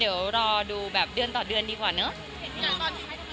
เดี๋ยวรอดูแบบเดือนต่อเดือนดีกว่าเนอะ